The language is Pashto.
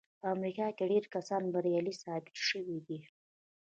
په امريکا کې ډېر کسان بريالي ثابت شوي دي.